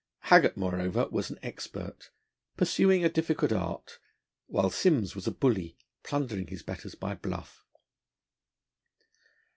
Haggart, moreover, was an expert, pursuing a difficult art, while Simms was a bully, plundering his betters by bluff.